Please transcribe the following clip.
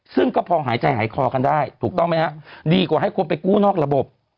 ซึ่งก็พอหายใจหายคอกันได้ถูกต้องไหมฮะดีกว่าให้คนไปกู้นอกระบบ